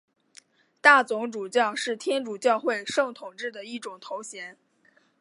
大总主教是天主教会圣统制的一种头衔。